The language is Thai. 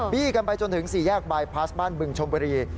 กันไปจนถึงสี่แยกบายพลาสบ้านบึงชมบุรี